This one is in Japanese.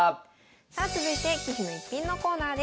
さあ続いて「棋士の逸品」のコーナーです。